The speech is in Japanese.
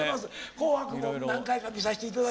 「紅白」も何回か見さしていただきました。